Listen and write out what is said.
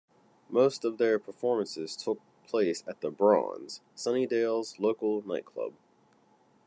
Most of their performances took place at The Bronze, Sunnydale's local nightclub.